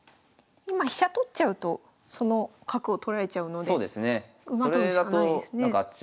今飛車取っちゃうとその角を取られちゃうので馬取るしかないですね。